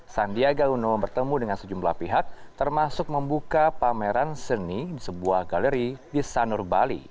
sandiaga uno bertemu dengan sejumlah pihak termasuk membuka pameran seni di sebuah galeri di sanur bali